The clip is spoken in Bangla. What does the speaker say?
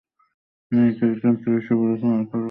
নিজেকে একজন তেজস্বী পুরুষ মনে কর।